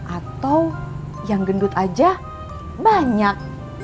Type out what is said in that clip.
atau yang gendut aja banyak